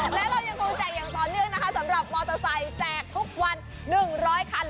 และเรายังคงแจกอย่างต่อเนื่องนะคะสำหรับมอเตอร์ไซค์แจกทุกวัน๑๐๐คัน